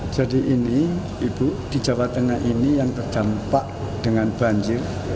jadi ini ibu di jawa tengah ini yang terdampak dengan banjir